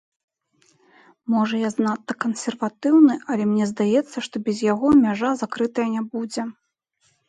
Можа, я занадта кансерватыўны, але мне здаецца, што без яго мяжа закрытая не будзе.